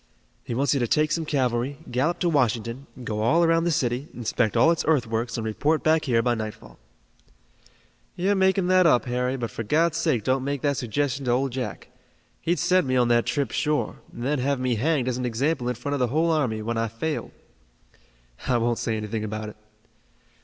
"He wants you to take some cavalry, gallop to Washington, go all around the city, inspect all its earthworks and report back here by nightfall." "You're making that up, Harry; but for God's sake don't make that suggestion to Old Jack. He'd send me on that trip sure, and then have me hanged as an example in front of the whole army, when I failed." "I won't say anything about it."